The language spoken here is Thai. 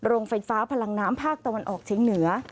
โรงไฟฟ้าพลังน้ำภาคตะวันออกเชียงเหนือ